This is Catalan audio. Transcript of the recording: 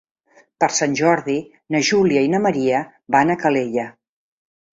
Per Sant Jordi na Júlia i na Maria van a Calella.